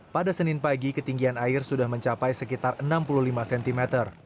pada senin pagi ketinggian air sudah mencapai sekitar enam puluh lima cm